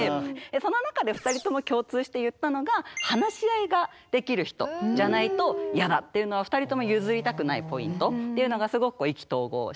その中で２人とも共通して言ったのが「話し合いができる人じゃないとヤダ」っていうのは２人とも譲りたくないポイントっていうのがすごく意気投合して。